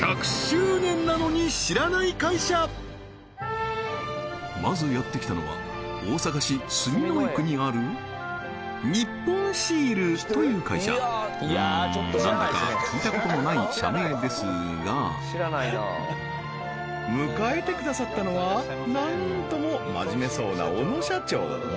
はいまずやってきたのは大阪市住之江区にある日本シールという会社うん何だか聞いたこともない社名ですが迎えてくださったのはなんとも真面目そうな小野社長